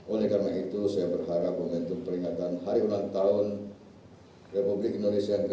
oleh karena itu saya berharap momentum peringatan hari ulang tahun republik indonesia yang ke tujuh puluh